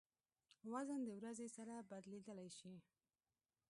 وزن د ورځې سره بدلېدای شي.